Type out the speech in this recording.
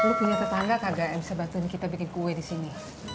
lu punya tetangga kagak bisa bantuin kita bikin kue di sini